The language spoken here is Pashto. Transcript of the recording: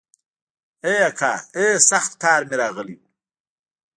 ای اکا ای سخت قار مې راغلی و.